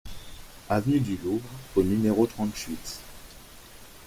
Avenue du Louvre au numéro trente-huit